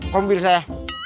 kau ambil saya